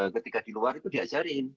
ketika di luar itu diajarin